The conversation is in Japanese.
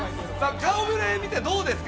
顔ぶれ見て、どうですか？